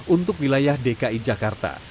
untuk wilayah dki jakarta